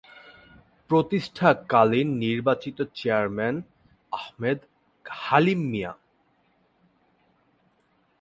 প্রতিষ্ঠাকালীন নির্বাচিত চেয়ারম্যান আঃ হালিম মিয়া।